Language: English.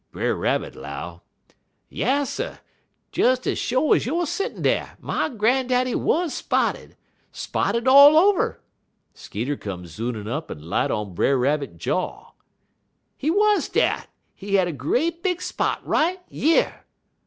_) Brer Rabbit 'low: "'Yasser! Des ez sho' ez youer settin' dar, my grandaddy wuz spotted. Spotted all over. (Skeeter come zoonin' up en light on Brer Rabbit jaw.) He wuz dat. He had er great big spot right yer!'"